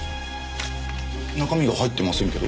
中身が入ってませんけど。